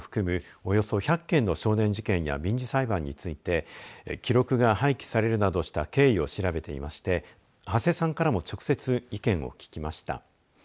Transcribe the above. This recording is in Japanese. およそ１００件の少年事件や民事裁判について記録が廃棄されるなどした経緯を調べていて土師さんからも直接意見を聞きました。